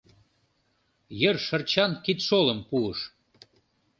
Йыр шырчан кидшолым пуыш.